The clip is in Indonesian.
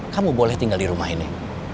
kamu boleh tinggal di rumah ini